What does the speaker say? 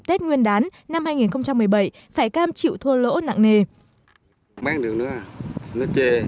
trong dịp tết nguyên đán năm hai nghìn một mươi bảy phải cam chịu thua lỗ nặng nề